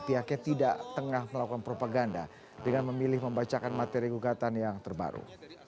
pihaknya tidak tengah melakukan propaganda dengan memilih membacakan materi gugatan yang terbaru